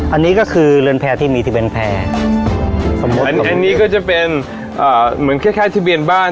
อันนี้ก็คือเรือนแพร่ที่มีที่เป็นแพร่อันนี้ก็จะเป็นอ่าเหมือนคล้ายคล้ายทะเบียนบ้าน